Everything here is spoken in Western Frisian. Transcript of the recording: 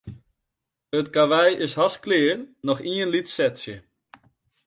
It karwei is hast klear, noch in lyts setsje.